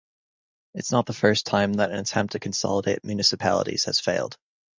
It was not the first time that an attempt to consolidate municipalities had failed.